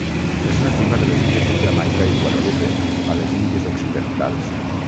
És nativa de les illes de Jamaica i Guadalupe, a les Índies Occidentals.